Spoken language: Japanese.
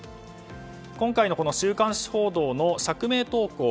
今回の週刊誌報道の釈明投稿。